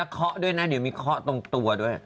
คุณพุทธตัวด้วย